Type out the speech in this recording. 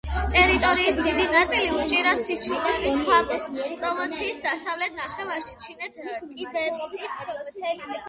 ტერიტორიის დიდი ნაწილი უჭირავს სიჩუანის ქვაბულს, პროვინციის დასავლეთ ნახევარში ჩინეთ-ტიბეტის მთებია.